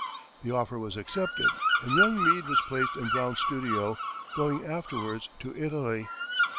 The offer was accepted, and young Meade was placed in Brown's studio, going afterwards to Italy.